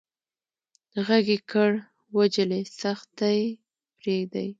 غږ يې کړ وه جلۍ سختي پرېدئ.